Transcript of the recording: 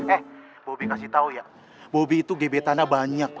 eh bobby kasih tau ya bobby itu gebetannya banyak